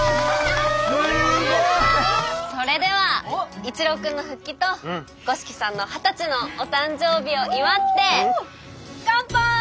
それでは一郎君の復帰と五色さんの二十歳のお誕生日を祝ってカンパーイ！